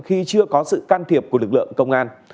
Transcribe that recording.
khi chưa có sự can thiệp của lực lượng công an